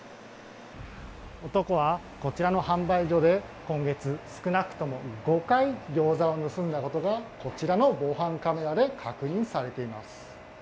男は、こちらの販売所で今月、少なくとも５回、ギョーザを盗んだことが、こちらの防犯カメラで確認されています。